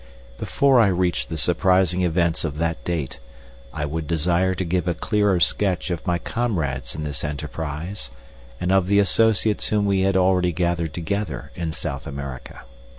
Before I reach the surprising events of that date I would desire to give a clearer sketch of my comrades in this enterprise, and of the associates whom we had already gathered together in South America.